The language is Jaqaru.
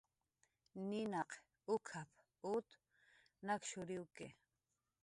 "Ninaq uk""ap"" ut nakshuriwki"